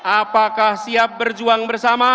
apakah siap berjuang bersama